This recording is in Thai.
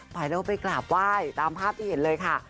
ไปแล้วก็ไปกราบไหว้ตามภาพที่เห็นเลยค่ะ